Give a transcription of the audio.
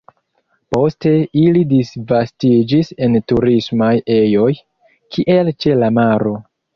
Poste ili disvastiĝis en turismaj ejoj, kiel ĉe la maro.